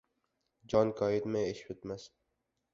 Jon koyitmay, ish bitmas.